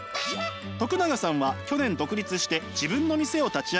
永さんは去年独立して自分の店を立ち上げました。